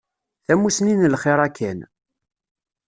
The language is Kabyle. Tamussni n lxir a Ken.